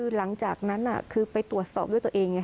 คือหลังจากนั้นคือไปตรวจสอบด้วยตัวเอง